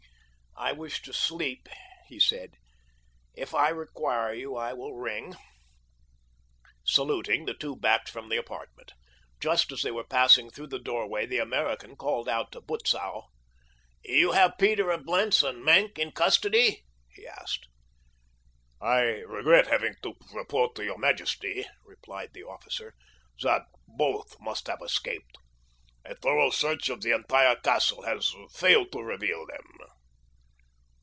"I wish to sleep," he said. "If I require you I will ring." Saluting, the two backed from the apartment. Just as they were passing through the doorway the American called out to Butzow. "You have Peter of Blentz and Maenck in custody?" he asked. "I regret having to report to your majesty," replied the officer, "that both must have escaped. A thorough search of the entire castle has failed to reveal them."